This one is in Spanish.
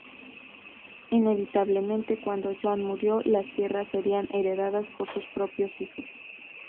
Inevitablemente, cuándo Joan murió, las tierras serían heredadas por sus propios hijos.